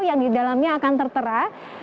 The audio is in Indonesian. yang di dalamnya akan tertera